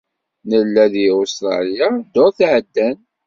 Nella di Usṭralya ddurt iɛeddan.